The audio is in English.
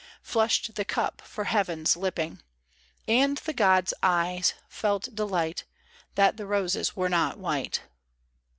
Flushed the cup for heaven's lipping ; And the god's eyes felt delight That the roses were not white.